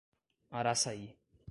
Araçaí